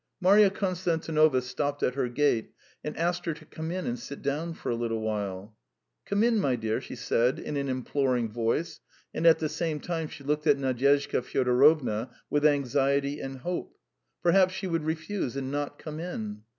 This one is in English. ... Marya Konstantinovna stopped at her gate and asked her to come in and sit down for a little while. "Come in, my dear," she said in an imploring voice, and at the same time she looked at Nadyezhda Fyodorovna with anxiety and hope; perhaps she would refuse and not come in!